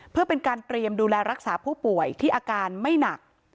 เพื่อเป็นการเตรียมดูแลรักษาผู้ป่วยที่อาการไม่หนัก